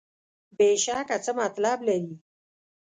بېشکه څه مطلب لري.